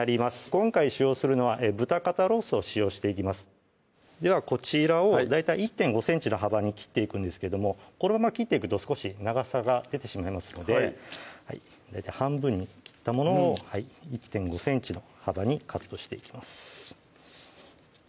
今回使用するのは豚肩ロースを使用していきますではこちらを大体１．５ｃｍの幅に切っていくんですけどもこのまま切っていくと少し長さが出てしまいますので大体半分に切ったものを１．５ｃｍの幅にカットしていきます